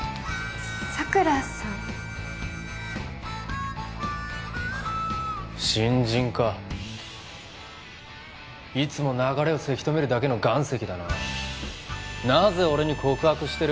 佐倉さん？はあ新人かいつも流れをせき止めるだけの岩石だななぜ俺に告白してる？